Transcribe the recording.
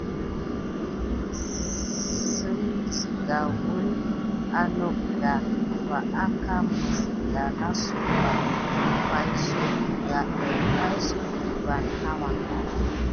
Sina siga wule anok da vas ka mis kinasuk ba pane suk berakin nawa.